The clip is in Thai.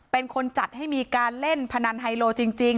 เป็นคนจัดให้มีการเล่นพนันไฮโลจริง